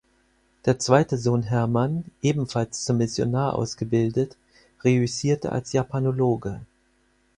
Der zweite Sohn Hermann, ebenfalls zum Missionar ausgebildet, reüssierte als Japanologe.